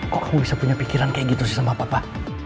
kok aku bisa punya pikiran kayak gitu sih sama papa